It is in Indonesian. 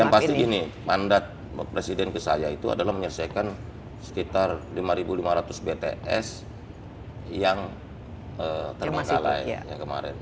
yang pasti gini mandat presiden ke saya itu adalah menyelesaikan sekitar lima lima ratus bts yang termanggalai yang kemarin